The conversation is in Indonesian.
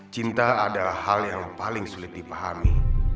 cinta adalah hal yang paling sulit dipahami